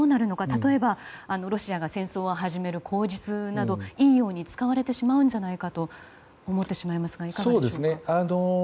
例えば、ロシアが戦争を始める口実などいいように使われてしまうんじゃないかと思ってしまいますがいかがでしょうか？